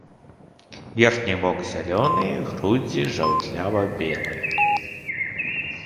Верхні бок зялёны, грудзі жаўтлява-белыя.